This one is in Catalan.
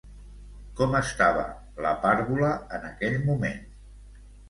Com estava la pàrvula en aquell moment?